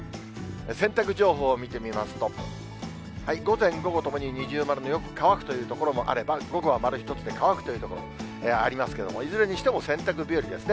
洗濯情報を見てみますと、午前、午後ともに二重丸のよく乾くという所もあれば、午後は丸１つで乾くという所もありますけれども、いずれにしても洗濯日和ですね。